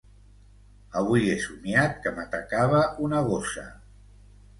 Avui he somiat que m'atacava una gossa.